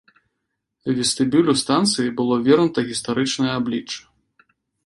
Вестыбюлю станцыі было вернута гістарычнае аблічча.